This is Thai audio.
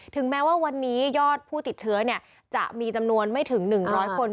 แม้ว่าวันนี้ยอดผู้ติดเชื้อจะมีจำนวนไม่ถึง๑๐๐คน